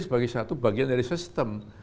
sebagai satu bagian dari sistem